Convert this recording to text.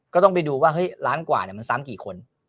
ก็ต้องไปดูว่าล้านกว่าเนี่ยมันซ้ำกี่คน